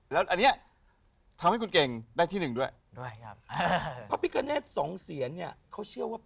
แล้วอันเนี้ย้ทำให้คุณเกรงได้ที่หนึ่งด้วย